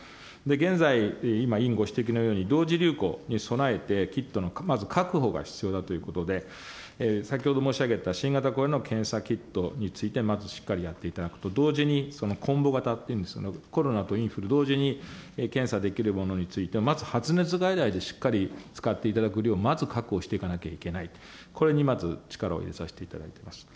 現在、今、委員ご指摘のように同時流行に備えて、キットの、まず確保が必要だということで、先ほど申し上げた新型コロナの検査キットについてまずしっかりやっていただくと同時に、その混合型というんですかね、コロナとインフル同時に検査できるものについて、まず発熱外来でしっかり使っていただく量、まず確保していかなきゃいけないと、これにまず力を入れさせていただいております。